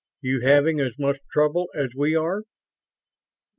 You having as much trouble as we are?"